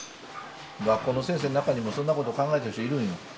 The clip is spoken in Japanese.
学校の先生の中にもそんなこと考えてる人いるんよ。